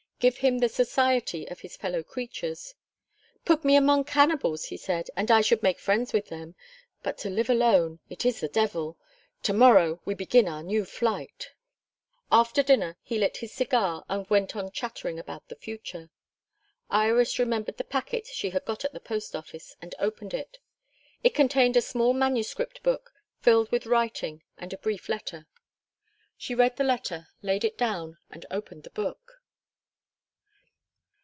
Give him the society of his fellow creatures. "Put me among cannibals," he said, "and I should make friends with them. But to live alone it is the devil! To morrow we begin our new flight." After dinner he lit his cigar, and went on chattering about the future. Iris remembered the packet she had got at the post office, and opened it. It contained a small manuscript book filled with writing and a brief letter. She read the letter, laid it down, and opened the book.